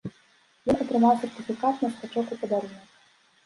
Ён атрымаў сертыфікат на скачок у падарунак.